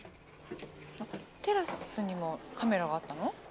［テラスにもカメラがあったの？］